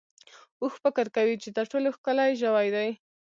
اوښ فکر کوي چې تر ټولو ښکلی ژوی دی.